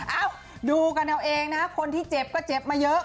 เอ้าดูกันเอาเองนะคนที่เจ็บก็เจ็บมาเยอะ